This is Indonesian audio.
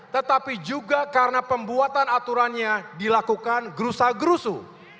tetapi juga karena pembuatan aturannya dilakukan gerusa gerusu